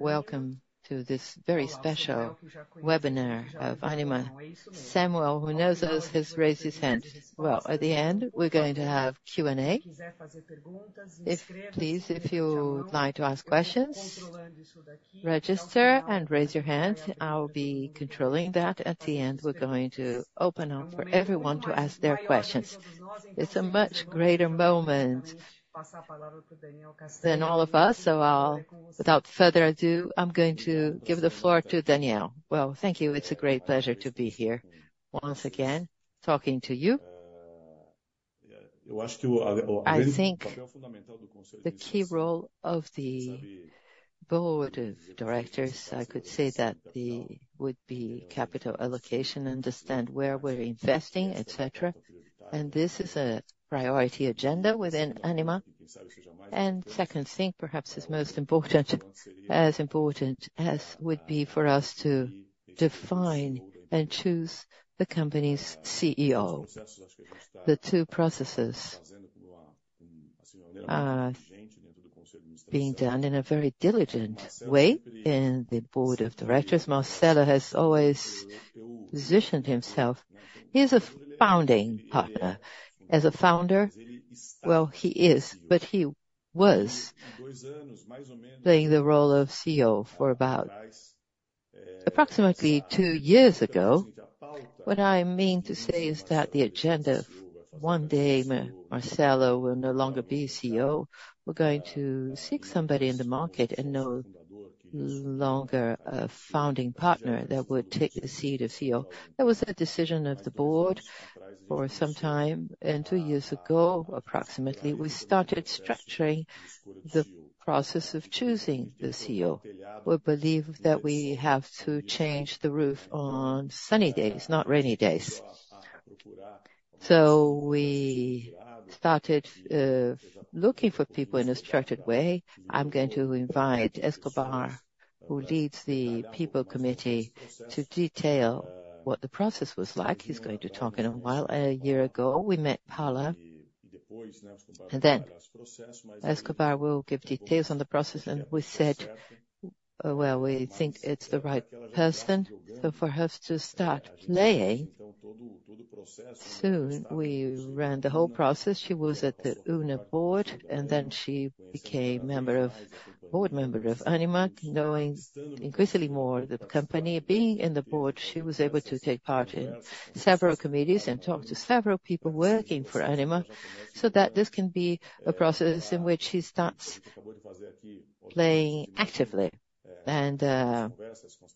...Welcome to this very special webinar of Ânima. Samuel, who knows us, has raised his hand. Well, at the end, we're going to have Q&A. If, please, if you'd like to ask questions, register and raise your hands. I'll be controlling that. At the end, we're going to open up for everyone to ask their questions. It's a much greater moment than all of us, so I'll, without further ado, I'm going to give the floor to Daniel. Well, thank you. It's a great pleasure to be here once again, talking to you. I think the key role of the board of directors would be capital allocation, understand where we're investing, et cetera, and this is a priority agenda within Ânima. And second thing, perhaps, is most important, as important as would be for us to define and choose the company's CEO. The two processes are being done in a very diligent way, and the Board of Directors, Marcelo, has always positioned himself. He's a founding partner. As a founder, well, he is, but he was playing the role of CEO for about approximately 2 years ago. What I mean to say is that the agenda, one day, Marcelo will no longer be CEO. We're going to seek somebody in the market and no longer a founding partner that would take the seat of CEO. That was a decision of the board for some time, and 2 years ago, approximately, we started structuring the process of choosing the CEO. We believe that we have to change the roof on sunny days, not rainy days. So we started looking for people in a structured way. I'm going to invite Cabrera, who leads the People Committee, to detail what the process was like. He's going to talk in a while. A year ago, we met Paula, and then Escobar will give details on the process, and we said, "Well, we think it's the right person." But for her to start playing soon, we ran the whole process. She was at the Una board, and then she became a board member of Ânima. Knowing increasingly more, the company being in the board, she was able to take part in several committees and talk to several people working for Ânima, so that this can be a process in which she starts playing actively. And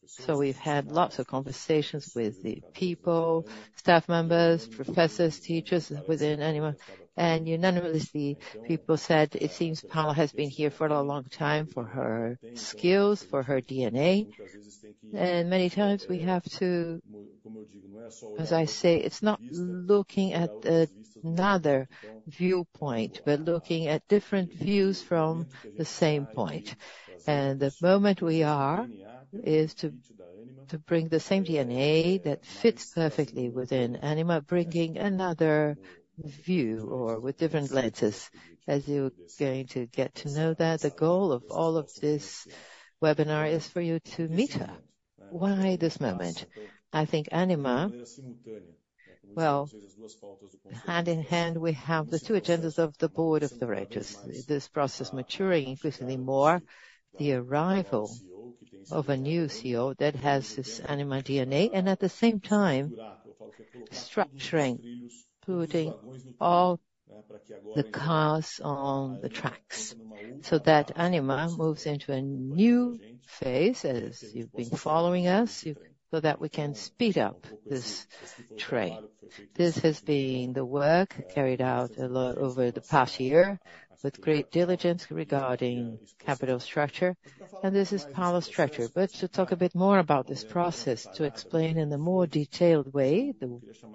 so we've had lots of conversations with the people, staff members, professors, teachers within Ânima, and unanimously, people said it seems Paula has been here for a long time, for her skills, for her DNA. And many times we have to... As I say, it's not looking at another viewpoint, but looking at different views from the same point. The moment we are is to bring the same DNA that fits perfectly within Ânima, bringing another view or with different lenses. As you're going to get to know that, the goal of all of this webinar is for you to meet her. Why this moment? I think Ânima, well, hand in hand, we have the two agendas of the board of directors. This process maturing increasingly more, the arrival of a new CEO that has this Ânima DNA, and at the same time, structuring, putting all the cars on the tracks so that Ânima moves into a new phase, as you've been following us, so that we can speed up this train. This has been the work carried out a lot over the past year with great diligence regarding capital structure, and this is Paula's structure. But to talk a bit more about this process, to explain in a more detailed way,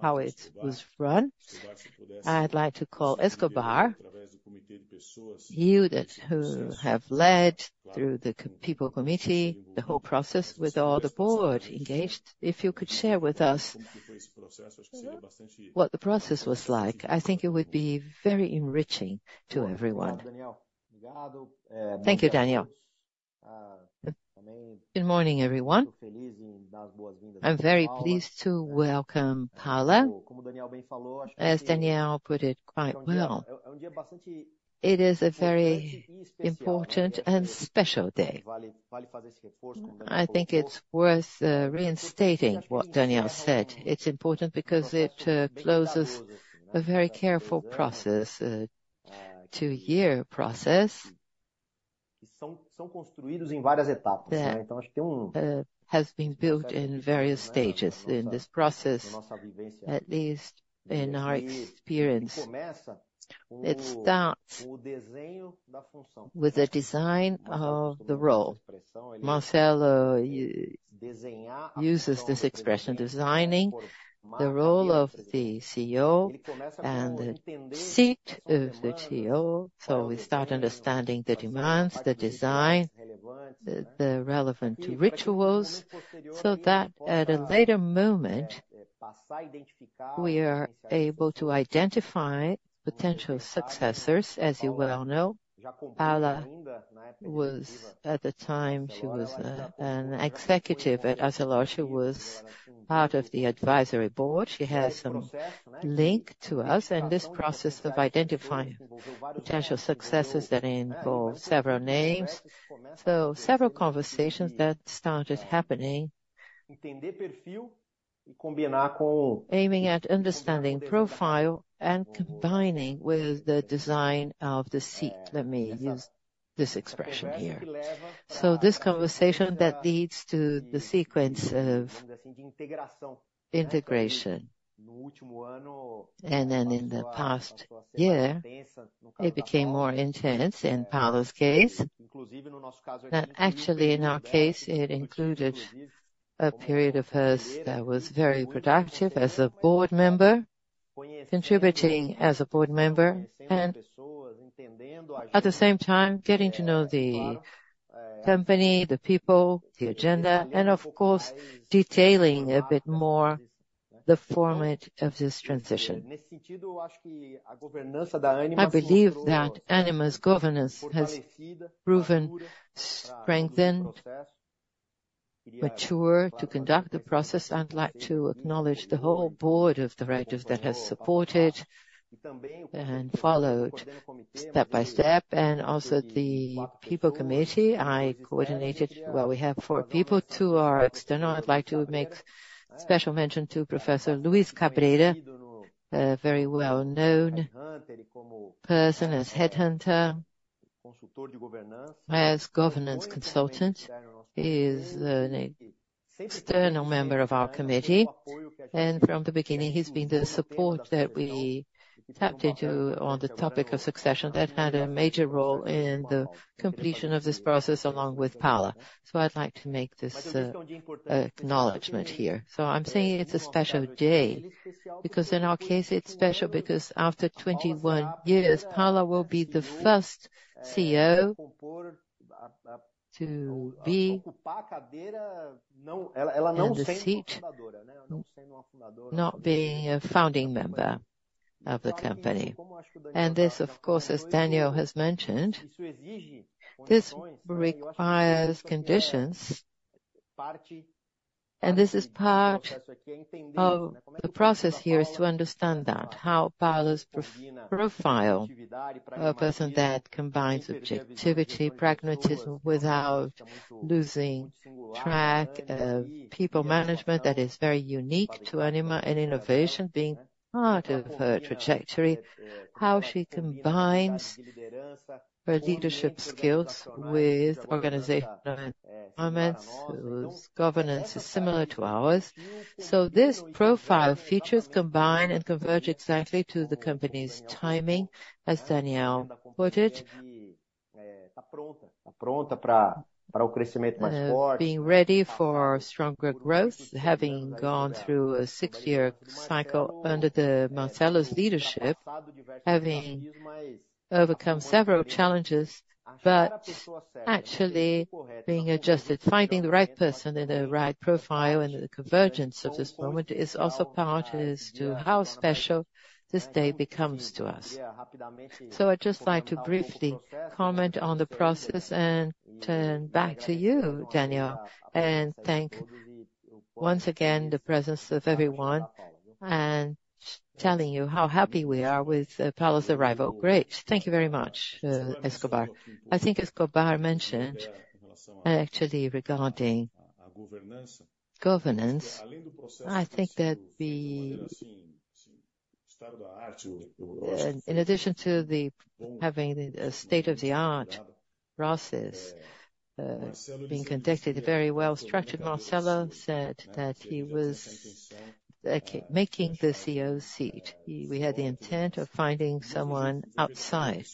how it was run, I'd like to call Mauricio Escobar, who have led through the people committee, the whole process with all the board engaged. If you could share with us what the process was like, I think it would be very enriching to everyone. Thank you, Daniel. Good morning, everyone. I'm very pleased to welcome Paula. As Daniel put it quite well, it is a very important and special day. I think it's worth reiterating what Daniel said. It's important because it closes a very careful process, a two-year process, that has been built in various stages in this process, at least in our experience. It starts with the design of the role. Marcelo uses this expression, "Designing the role of the CEO and the seat of the CEO." So we start understanding the demands, the design, the relevant rituals, so that at a later moment... We are able to identify potential successors, as you well know. Paula was, at the time, she was an executive at Arcelor. She was part of the advisory board. She has some link to us, and this process of identifying potential successors that involve several names. So several conversations that started happening, aiming at understanding profile and combining with the design of the seat, let me use this expression here. So this conversation that leads to the sequence of integration. And then in the past year, it became more intense in Paula's case. But actually, in our case, it included a period of hers that was very productive as a board member, contributing as a board member, and at the same time getting to know the company, the people, the agenda, and of course, detailing a bit more the format of this transition. I believe that Ânima's governance has proven strengthened, mature to conduct the process. I'd like to acknowledge the whole board of directors that has supported and followed step by step, and also the people committee I coordinated. Well, we have four people, two are external. I'd like to make special mention to Professor Luis Cabrera, a very well-known person as headhunter, as governance consultant. He is an external member of our committee, and from the beginning, he's been the support that we tapped into on the topic of succession that had a major role in the completion of this process, along with Paula. So I'd like to make this acknowledgment here. So I'm saying it's a special day, because in our case, it's special because after 21 years, Paula will be the first CEO to be in the seat, not being a founding member of the company. And this, of course, as Daniel has mentioned, this requires conditions, and this is part of the process here, is to understand that, how Paula's profile, a person that combines objectivity, pragmatism, without losing track of people management that is very unique to Ânima, and innovation being part of her trajectory. How she combines her leadership skills with organizational moments, whose governance is similar to ours. So this profile features combine and converge exactly to the company's timing, as Daniel put it. Being ready for stronger growth, having gone through a six-year cycle under the Marcelo's leadership, having overcome several challenges, but actually being adjusted. Finding the right person in the right profile and the convergence of this moment is also part as to how special this day becomes to us. So I'd just like to briefly comment on the process and turn back to you, Daniel, and thank once again the presence of everyone, and telling you how happy we are with, Paula's arrival. Great. Thank you very much, Escobar. I think Escobar mentioned, actually, regarding governance, I think that the... In addition to having the state-of-the-art process being conducted very well-structured, Marcelo said that he was making the CEO seat. We had the intent of finding someone outside.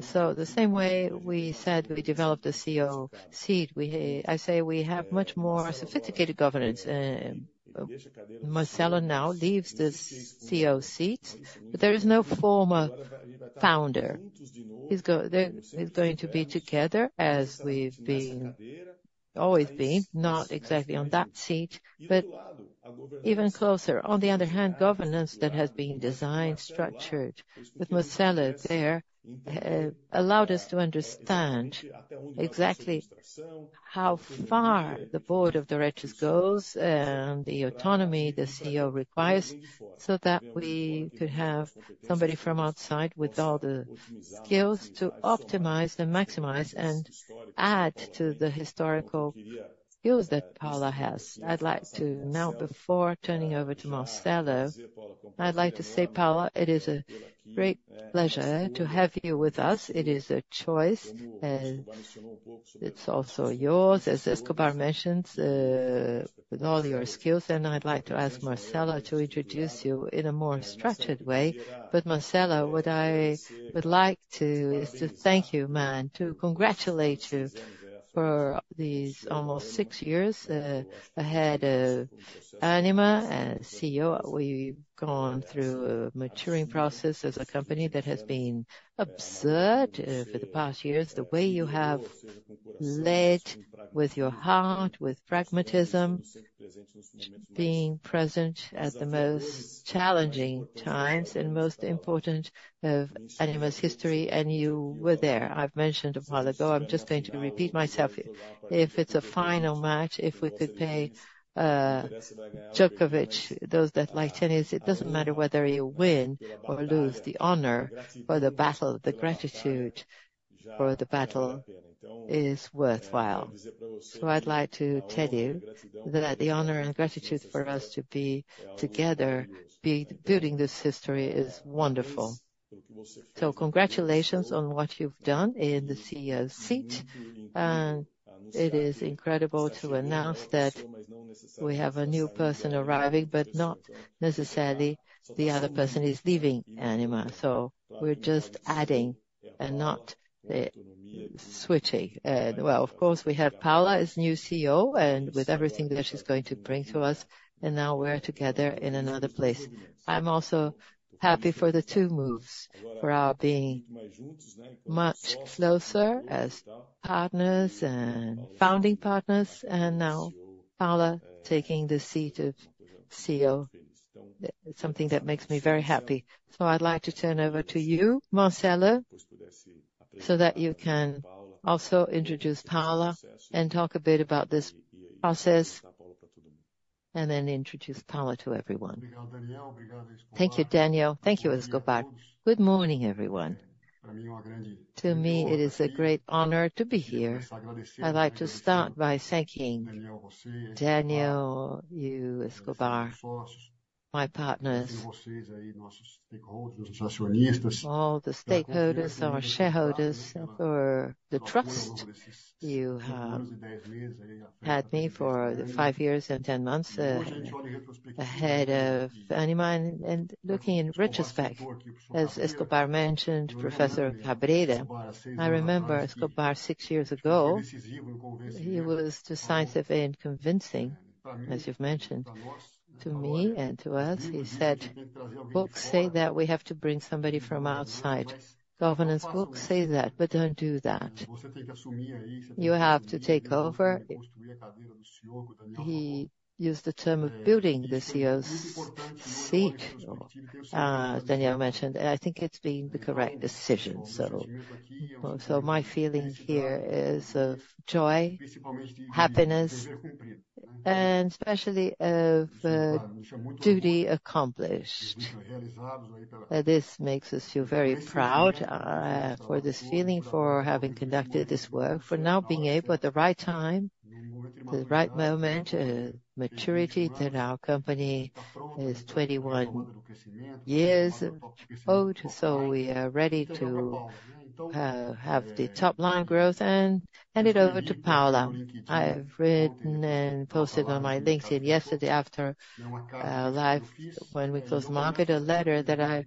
So the same way we said we developed a CEO seat, I say we have much more sophisticated governance. Marcelo now leaves this CEO seat, but there is no former founder. He's going to be together, as we've been, always been, not exactly on that seat, but even closer. On the other hand, governance that has been designed, structured with Marcelo there, allowed us to understand exactly how far the board of directors goes, and the autonomy the CEO requires, so that we could have somebody from outside with all the skills to optimize and maximize and add to the historical skills that Paula has. I'd like to now, before turning over to Marcelo, I'd like to say, Paula, it is a great pleasure to have you with us. It is a choice, and it's also yours, as Escobar mentioned, with all your skills. And I'd like to ask Marcelo to introduce you in a more structured way. But Marcelo, what I would like to is to thank you, man, to congratulate you for these almost six years ahead of Ânima as CEO. We've gone through a maturing process as a company that has been absurd for the past years. The way you have led with your heart, with pragmatism, being present at the most challenging times and most important of Ânima's history, and you were there. I've mentioned a while ago, I'm just going to repeat myself. If it's a final match, if we could play, Djokovic, those that like tennis, it doesn't matter whether you win or lose, the honor or the battle, the gratitude for the battle is worthwhile. So I'd like to tell you that the honor and gratitude for us to be together, being building this history is wonderful. So congratulations on what you've done in the CEO seat, and it is incredible to announce that we have a new person arriving, but not necessarily the other person is leaving Ânima. So we're just adding and not switching. Well, of course, we have Paula as new CEO and with everything that she's going to bring to us, and now we're together in another place. I'm also happy for the two moves, for our being much closer as partners and founding partners, and now Paula taking the seat of CEO. It's something that makes me very happy. So I'd like to turn over to you, Marcelo, so that you can also introduce Paula and talk a bit about this process, and then introduce Paula to everyone. Thank you, Daniel. Thank you, Escobar. Good morning, everyone. To me, it is a great honor to be here. I'd like to start by thanking Daniel, you, Escobar, my partners, all the stakeholders, our shareholders, and for the trust. You had me for five years and 10 months ahead of Ânima. And looking in retrospect, as Escobar mentioned, Professor Cabrera, I remember Escobar six years ago. He was decisive and convincing, as you've mentioned, to me and to us. He said, "Books say that we have to bring somebody from outside. Governance books say that, but don't do that. You have to take over." He used the term of building the CEO's seat, as Daniel mentioned, and I think it's been the correct decision, so. So my feeling here is of joy, happiness, and especially of, duty accomplished. This makes us feel very proud, for this feeling, for having conducted this work, for now being able, at the right time, the right moment, maturity, that our company is 21 years old, so we are ready to, have the top line growth and hand it over to Paula. I've written and posted on my LinkedIn yesterday after, live when we closed market, a letter that I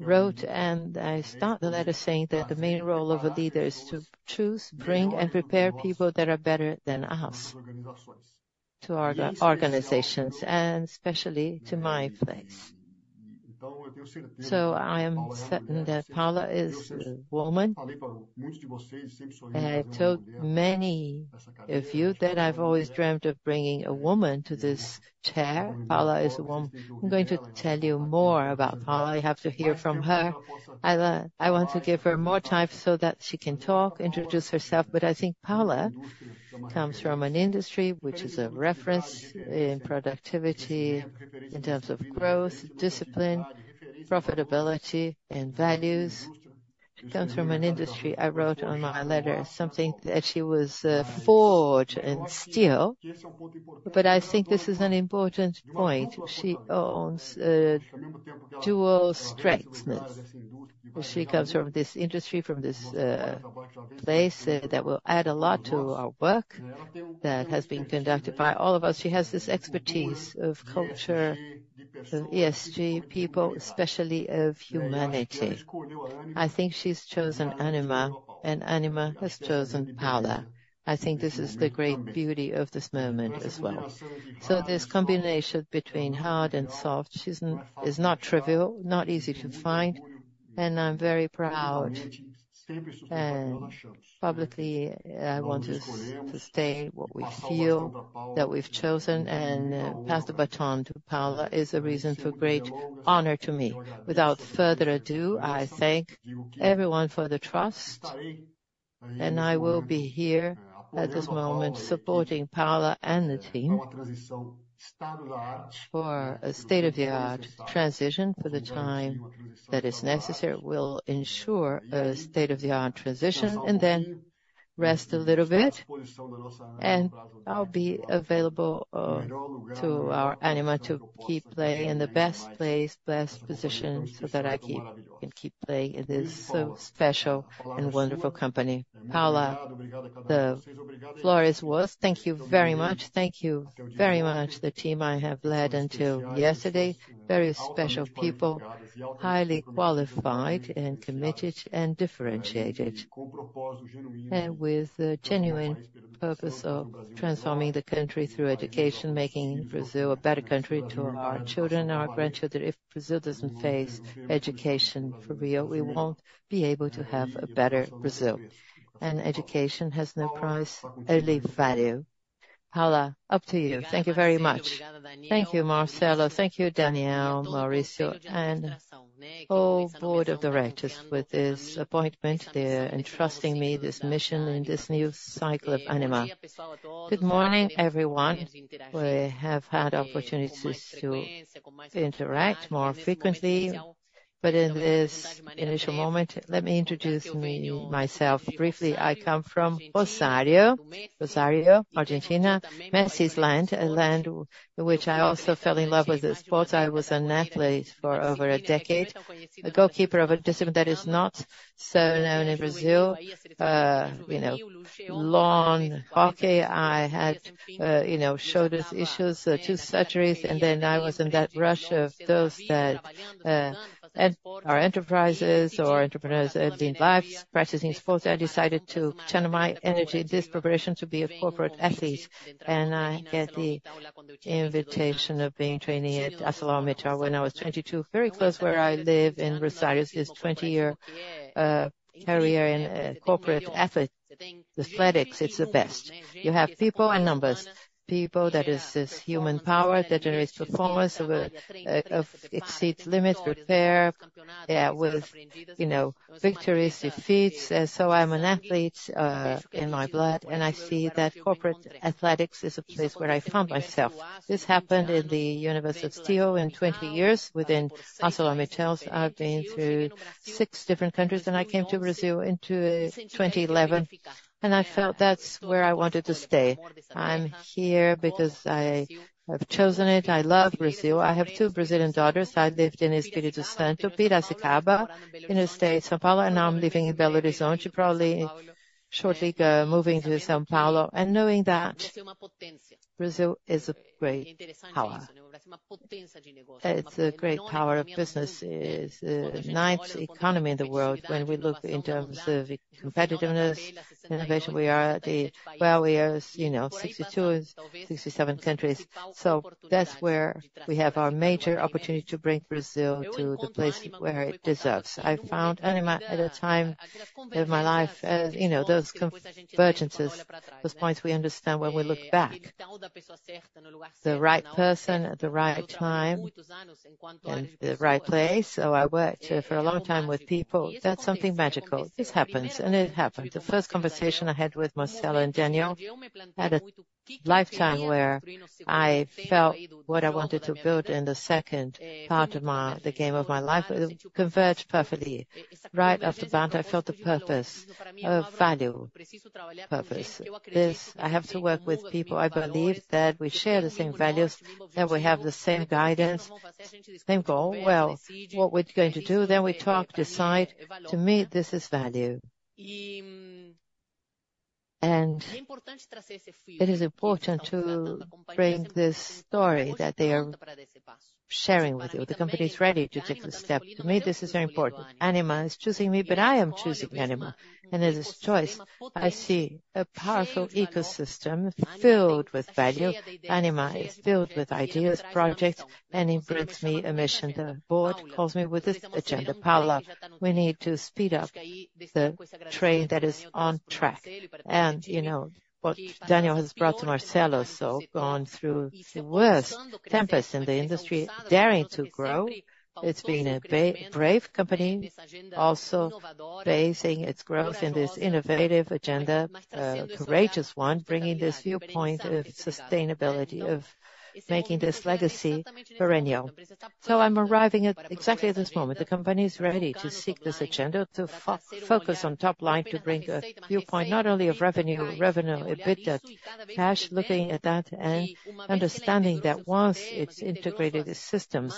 wrote, and I start the letter saying that the main role of a leader is to choose, bring, and prepare people that are better than us to our organizations, and especially to my place. So I am certain that Paula is a woman. I told many of you that I've always dreamed of bringing a woman to this chair. Paula is the one. I'm going to tell you more about Paula. You have to hear from her. I, I want to give her more time so that she can talk, introduce herself, but I think Paula comes from an industry which is a reference in productivity, in terms of growth, discipline, profitability, and values. Comes from an industry. I wrote on my letter something that she was forged in steel, but I think this is an important point. She owns dual strengths. She comes from this industry, from this place that will add a lot to our work that has been conducted by all of us. She has this expertise of culture, ESG, people, especially of humanity. I think she's chosen Ânima, and Ânima has chosen Paula. I think this is the great beauty of this moment as well. So this combination between hard and soft, she is not trivial, not easy to find, and I'm very proud, and publicly, I want to state what we feel, that we've chosen and pass the baton to Paula is a reason for great honor to me. Without further ado, I thank everyone for the trust, and I will be here at this moment supporting Paula and the team for a state-of-the-art transition for the time that is necessary. We'll ensure a state-of-the-art transition and then rest a little bit, and I'll be available to our Ânima to keep playing in the best place, best position, so that I can keep playing in this so special and wonderful company. Paula, the floor is yours. Thank you very much. Thank you very much. The team I have led until yesterday, very special people, highly qualified and committed and differentiated, and with the genuine purpose of transforming the country through education, making Brazil a better country to our children and our grandchildren. If Brazil doesn't face education for real, we won't be able to have a better Brazil. Education has no price, only value. Paula, up to you. Thank you very much. Thank you, Marcelo. Thank you, Daniel, Mauricio, and whole board of directors. With this appointment, they are entrusting me this mission in this new cycle of Ânima. Good morning, everyone. We have had opportunities to interact more frequently. But in this initial moment, let me introduce me, myself briefly. I come from Rosario, Rosario, Argentina, Messi's land, a land which I also fell in love with the sport. I was an athlete for over a decade, a goalkeeper of a discipline that is not so known in Brazil, you know, lawn hockey. I had, you know, shoulder issues, two surgeries, and then I was in that rush of those that are entrepreneurs, urban lives, practicing sports. I decided to channel my energy, this preparation, to be a corporate athlete. I got the invitation of being trained at ArcelorMittal when I was 22, very close where I live in Rosario. This 20-year career in corporate athletics. It's the best. You have people and numbers. People, that is, this human power that generates performance of exceeding limits, preparation with, you know, victories, defeats. So I'm an athlete in my blood, and I see that corporate athletics is a place where I found myself. This happened in the universe of steel. In 20 years, within ArcelorMittal, I've been to six different countries, and I came to Brazil in 2011, and I felt that's where I wanted to stay. I'm here because I have chosen it. I love Brazil. I have two Brazilian daughters. I lived in Espírito Santo, Piracicaba, in the state of São Paulo, and now I'm living in Belo Horizonte, probably shortly moving to São Paulo and knowing that Brazil is a great power. It's a great power of business. It's ninth economy in the world. When we look in terms of the competitiveness, innovation, we are the, well, we are, as you know, 62, 67 countries. So that's where we have our major opportunity to bring Brazil to the place where it deserves. I found Ânima at a time in my life, as you know, those convergences, those points we understand when we look back. The right person at the right time and the right place. So I worked for a long time with people. That's something magical. This happens, and it happened. The first conversation I had with Marcelo and Daniel, at a lifetime where I felt what I wanted to build in the second part of my - the game of my life, converge perfectly. Right off the bat, I felt the purpose of value, purpose. This I have to work with people I believe that we share the same values, and we have the same guidance, same goal. Well, what we're going to do then, we talk, decide. To me, this is value. And it is important to bring this story that they are sharing with you. The company is ready to take the step. To me, this is very important. Ânima is choosing me, but I am choosing Ânima, and it is choice. I see a powerful ecosystem filled with value. Ânima is filled with ideas, projects, and it brings me a mission. The board calls me with this agenda, "Paula, we need to speed up the train that is on track." And you know, what Daniel has brought to Marcelo, so gone through the worst tempest in the industry, daring to grow. It's been a brave company, also basing its growth in this innovative agenda, courageous one, bringing this viewpoint of sustainability, of making this legacy perennial. So I'm arriving at exactly this moment. The company is ready to seek this agenda, to focus on top line, to bring a viewpoint not only of revenue, revenue, EBITDA, cash, looking at that and understanding that once it's integrated, its systems,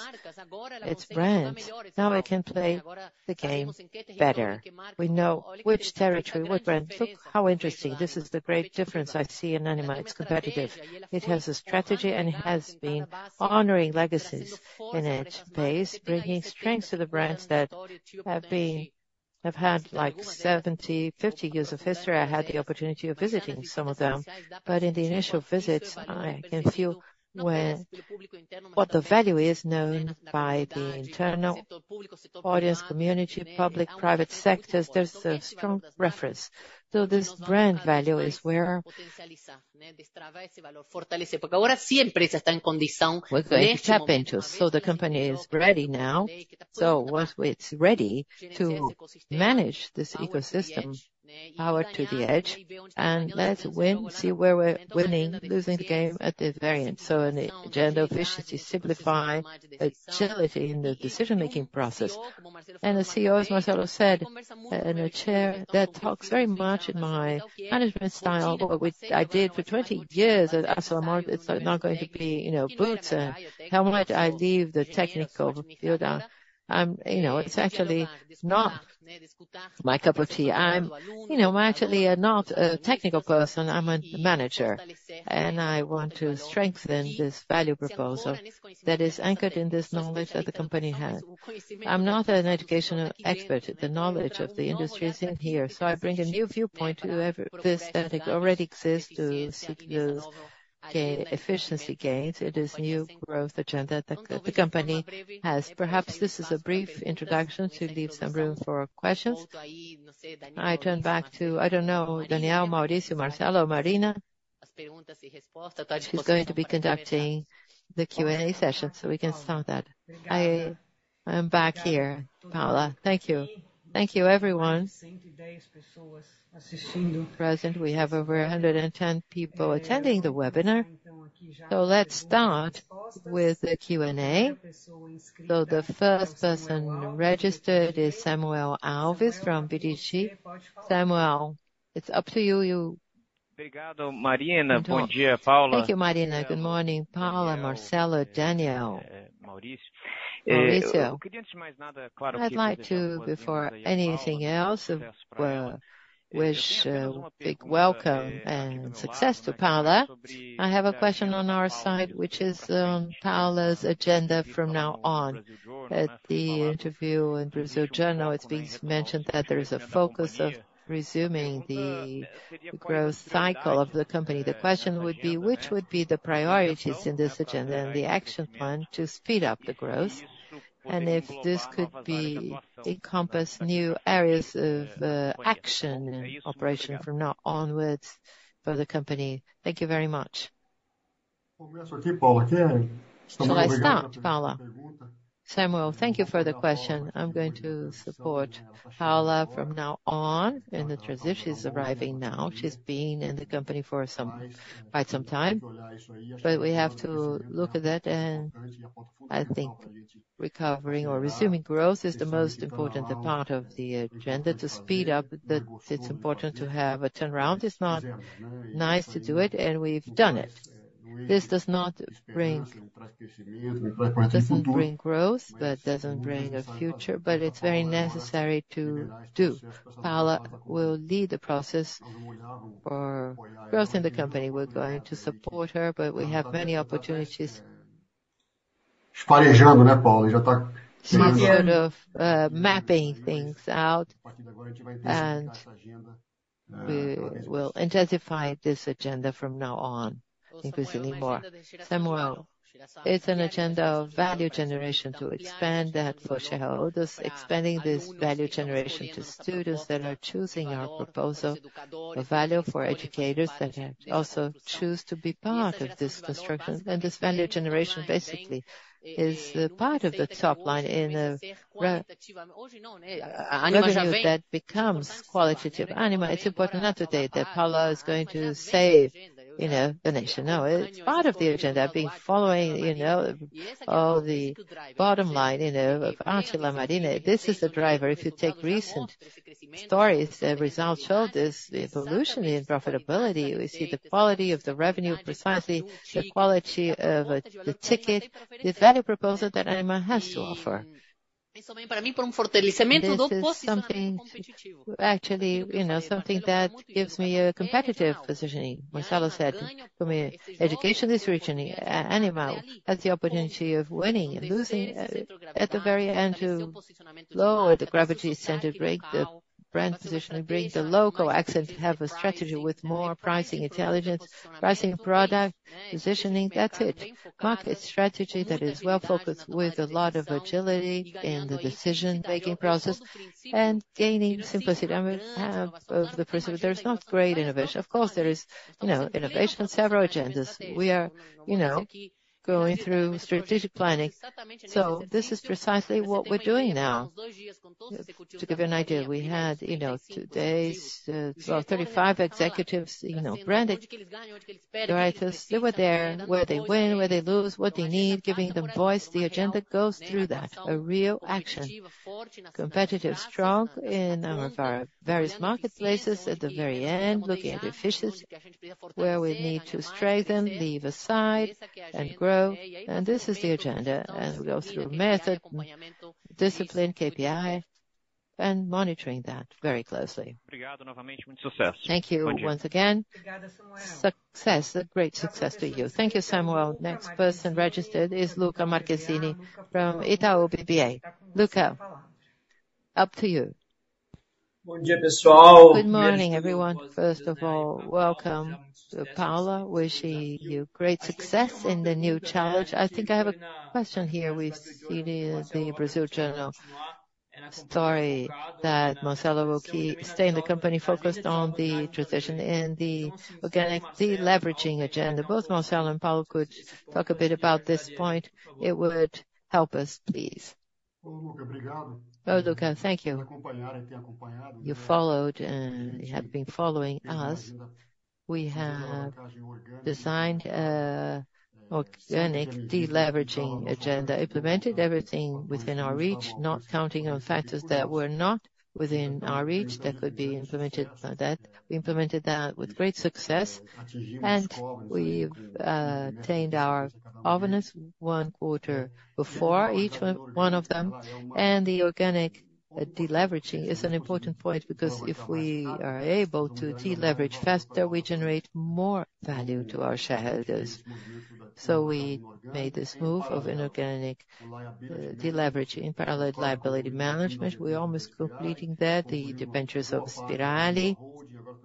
its brands, now I can play the game better. We know which territory, what brand. Look how interesting. This is the great difference I see in Ânima. It's competitive. It has a strategy, and it has been honoring legacies in its base, bringing strength to the brands that have had, like 70, 50 years of history. I had the opportunity of visiting some of them, but in the initial visits, I can feel what the value is known by the internal audience, community, public, private sectors. There's a strong reference. So this brand value is where we're going to tap into. So the company is ready now. So once it's ready to manage this ecosystem, power to the edge, and let's win, see where we're winning, losing the game at the variant. So in the agenda, efficiency, simplify agility in the decision-making process. And the CEO, as Marcelo said, and the chair, that talks very much in my management style, but what I did for 20 years at ArcelorMittal, it's not going to be, you know, boots. How might I leave the technical field? You know, it's actually not my cup of tea. I'm, you know, actually, not a technical person. I'm a manager, and I want to strengthen this value proposal that is anchored in this knowledge that the company has. I'm not an educational expert. The knowledge of the industry is in here, so I bring a new viewpoint to everything that already exists to seek those efficiency gains. It is new growth agenda that the company has. Perhaps this is a brief introduction to leave some room for questions. I turn back to, I don't know, Daniel, Mauricio, Marcelo, Marina. She's going to be conducting the Q&A session, so we can start that. I am back here, Paula. Thank you. Thank you, everyone. Present, we have over 110 people attending the webinar.... So let's start with the Q&A. So the first person registered is Samuel Alves from BTG Pactual. Samuel, it's up to you. Thank you, Marina. Good morning, Paula, Marcelo, Daniel, Mauricio. I'd like to, before anything else, wish a big welcome and success to Paula. I have a question on our side, which is Paula's agenda from now on. At the interview in Brazil Journal, it's been mentioned that there is a focus of resuming the growth cycle of the company. The question would be: Which would be the priorities in this agenda and the action plan to speed up the growth? And if this could encompass new areas of action and operation from now onwards for the company. Thank you very much. Shall I start, Paula? Samuel, thank you for the question. I'm going to support Paula from now on in the transition. She's arriving now. She's been in the company for some, quite some time, but we have to look at that, and I think recovering or resuming growth is the most important part of the agenda. To speed up, it's important to have a turnaround. It's not nice to do it, and we've done it. This does not bring, doesn't bring growth, but doesn't bring a future, but it's very necessary to do. Paula will lead the process for growth in the company. We're going to support her, but we have many opportunities. She's kind of, mapping things out, and we will intensify this agenda from now on, increasingly more. Samuel, it's an agenda of value generation to expand that for shareholders, expanding this value generation to students that are choosing our proposal, a value for educators that can also choose to be part of this construction. This value generation, basically, is a part of the top line in a revenue that becomes qualitative. Ânima, it's important not to say that Paula is going to save, you know, the nation. No, it's part of the agenda. I've been following, you know, all the bottom line, you know, of Ânima Marina. This is the driver. If you take recent stories and results show this, the evolution in profitability, we see the quality of the revenue, precisely the quality of the ticket, the value proposal that Ânima has to offer. This is something, actually, you know, something that gives me a competitive positioning. Marcelo said, "For me, education is regionally, an animal, has the opportunity of winning and losing, at the very end, to lower the gravity center, bring the brand position, and bring the local accent, to have a strategy with more pricing intelligence, pricing product positioning," that's it. Market strategy that is well-focused with a lot of agility in the decision-making process and gaining simplicity. I mean, of the principle, there's not great innovation. Of course, there is, you know, innovation, several agendas. We are, you know, going through strategic planning, so this is precisely what we're doing now. To give you an idea, we had, you know, today's, well, 35 executives, you know, [branded writers]. They were there, where they win, where they lose, what they need, giving them voice. The agenda goes through that, a real action. Competitive, strong in our various marketplaces at the very end, looking at efficiencies, where we need to strengthen, leave aside and grow. This is the agenda, and we go through method, discipline, KPI, and monitoring that very closely. Thank you once again. Success. A great success to you. Thank you, Samuel. Next person registered is Luca Marchesini from Itaú BBA. Luca, up to you. Good morning, everyone. First of all, welcome to Paula. Wish you great success in the new challenge. I think I have a question here. We see the Brazil Journal story that Marcelo will stay in the company, focused on the transition and the organic deleveraging agenda. Both Marcelo and Paula could talk a bit about this point. It would help us, please. Oh, Luca, thank you. You followed, and you have been following us. We have designed an organic deleveraging agenda, implemented everything within our reach, not counting on factors that were not within our reach, that could be implemented, that we implemented with great success, and we've attained our openness one quarter before each one, one of them. The organic deleveraging is an important point, because if we are able to deleverage faster, we generate more value to our shareholders. So we made this move of inorganic liability deleveraging, parallel liability management. We're almost completing that. The debentures of Inspirali,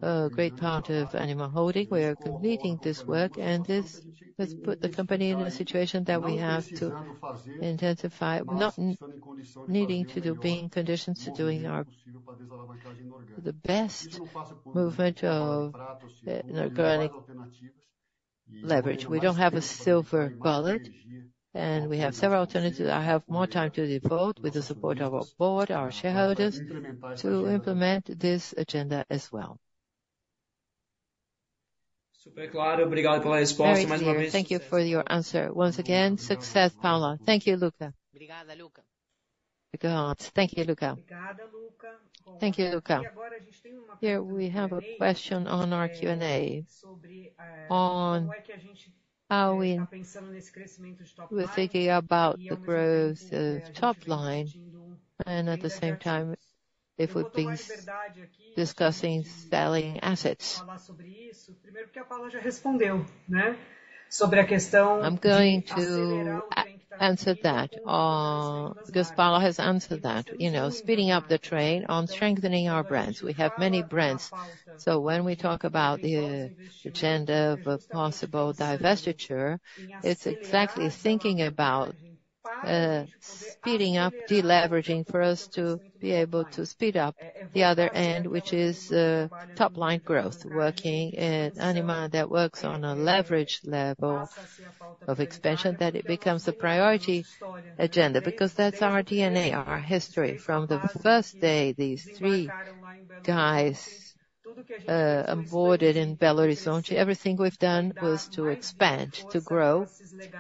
a great part of Ânima Holding. We are completing this work, and this has put the company in a situation that we have to intensify, not needing to do, being conditions to doing the best movement of, uh, inorganic leverage. We don't have a silver bullet, and we have several alternatives. I have more time to devote, with the support of our board, our shareholders, to implement this agenda as well. Super clear. Thank you for the response once again. Success, Paula. Thank you, Luca. Thank you, Luca. Thank you, Luca. Thank you, Luca. Here we have a question on our Q&A on how we're thinking about the growth, top line, and at the same time, if we've been discussing selling assets. I'm going to answer that, because Paula has answered that. You know, speeding up the train on strengthening our brands. We have many brands, so when we talk about the agenda of a possible divestiture, it's exactly thinking about speeding up deleveraging for us to be able to speed up the other end, which is top line growth. Working at Ânima, that works on a leverage level of expansion, that it becomes a priority agenda, because that's our DNA, our history. From the first day, these three guys boarded in Belo Horizonte, everything we've done was to expand, to grow,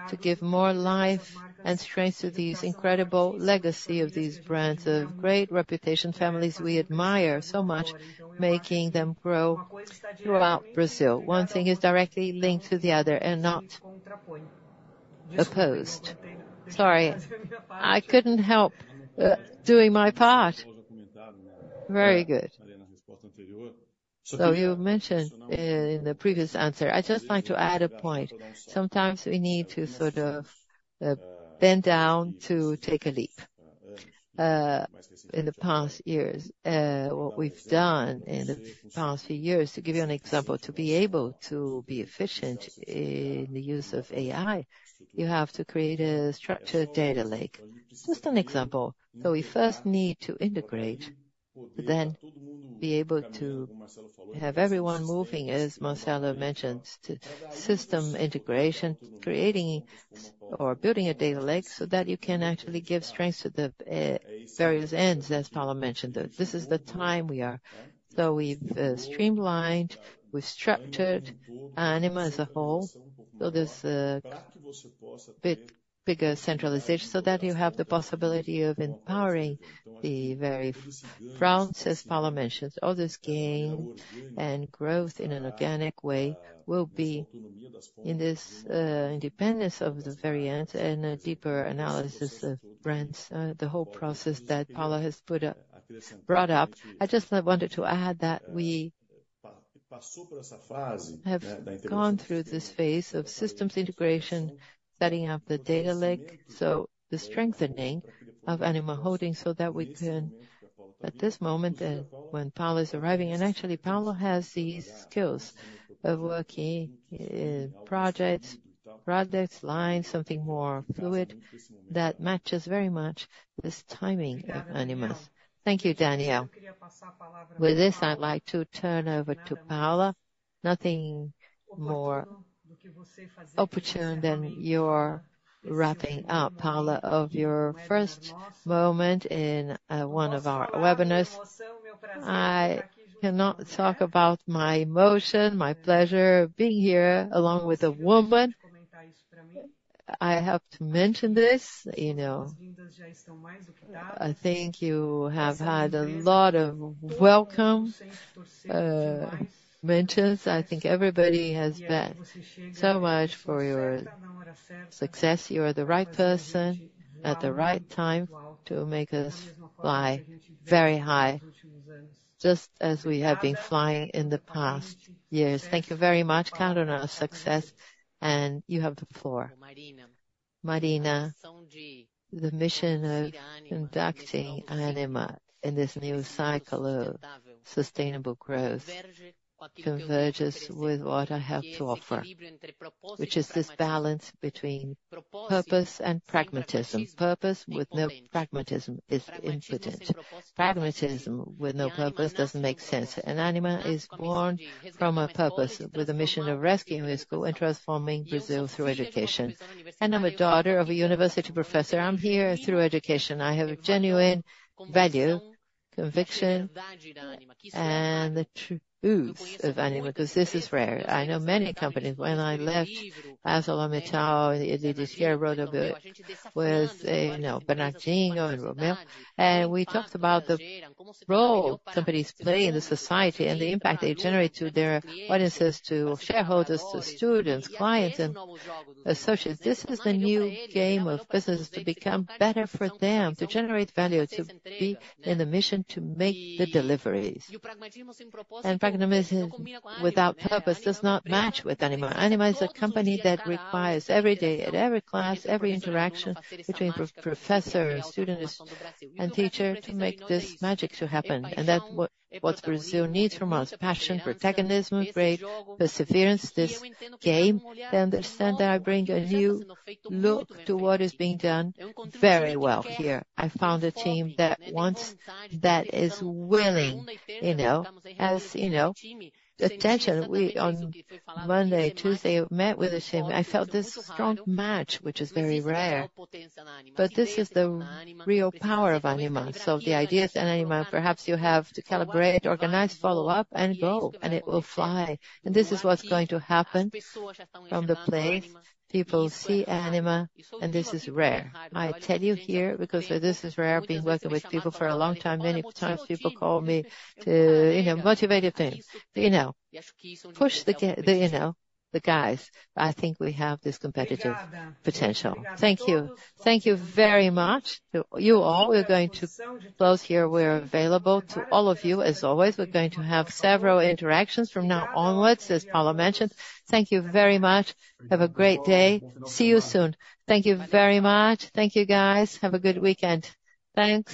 to give more life and strength to these incredible legacy of these brands, of great reputation, families we admire so much, making them grow throughout Brazil. One thing is directly linked to the other and not opposed. Sorry, I couldn't help doing my part. Very good. So you mentioned in the previous answer. I'd just like to add a point. Sometimes we need to sort of bend down to take a leap. In the past years, what we've done in the past few years, to give you an example, to be able to be efficient in the use of AI, you have to create a structured data lake. Just an example. So we first need to integrate, then be able to have everyone moving, as Marcelo mentioned, to system integration, creating or building a data lake so that you can actually give strength to the various ends, as Paula mentioned. This is the time we are. So we've streamlined, we've structured Ânima as a whole. So there's a bit bigger centralization so that you have the possibility of empowering the very brands, as Paula mentioned. All this gain and growth in an organic way will be in this, independence of the variant and a deeper analysis of brands, the whole process that Paula has put up, brought up. I just wanted to add that we have gone through this phase of systems integration, setting up the data lake, so the strengthening of Ânima Holding so that we can, at this moment, then when Paula is arriving, and actually, Paula has these skills of working in projects, products, lines, something more fluid that matches very much this timing of Ânima. Thank you, Daniel. With this, I'd like to turn over to Paula. Nothing more opportune than your wrapping up, Paula, of your first moment in, one of our webinars. I cannot talk about my emotion, my pleasure of being here along with a woman. I have to mention this, you know. I think you have had a lot of welcome mentions. I think everybody has bet so much for your success. You are the right person at the right time to make us fly very high, just as we have been flying in the past years. Thank you very much. Count on our success, and you have the floor. Marina, the mission of conducting Ânima in this new cycle of sustainable growth converges with what I have to offer, which is this balance between purpose and pragmatism. Purpose with no pragmatism is impotent. Pragmatism with no purpose doesn't make sense. And Ânima is born from a purpose, with a mission of rescuing the school and transforming Brazil through education. And I'm a daughter of a university professor. I'm here through education. I have a genuine value, conviction, and the truth of Ânima, because this is rare. I know many companies. When I left ArcelorMittal, this year I wrote a book with, you know, Bernardinho and Romeu, and we talked about the role companies play in the society and the impact they generate to their audiences, to shareholders, to students, clients, and associates. This is the new game of businesses to become better for them, to generate value, to be in the mission to make the deliveries. And pragmatism without purpose does not match with Ânima. Ânima is a company that requires every day, at every class, every interaction between professor, students, and teacher to make this magic to happen. And that's what, what Brazil needs from us: passion, protagonism, great perseverance, this game. I understand that I bring a new look to what is being done very well here. I found a team that is willing, you know, as you know, the attention. We, on Monday, Tuesday, met with the team. I felt this strong match, which is very rare, but this is the real power of Ânima. So the idea is Ânima, perhaps you have to calibrate, organize, follow up, and go, and it will fly. And this is what's going to happen from the place. People see Ânima, and this is rare. I tell you here, because this is rare, being working with people for a long time. Many times people call me to, you know, motivate a thing, you know, push the, you know, the guys. I think we have this competitive potential. Thank you. Thank you very much to you all. We're going to close here. We're available to all of you as always. We're going to have several interactions from now onwards, as Paula mentioned. Thank you very much. Have a great day. See you soon. Thank you very much. Thank you, guys. Have a good weekend. Thanks.